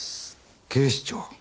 警視庁。